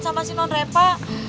sama si nonrepa